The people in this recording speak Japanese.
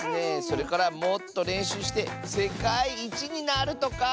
それからもっとれんしゅうしてせかいいちになるとか！